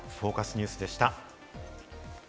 ニュースでした。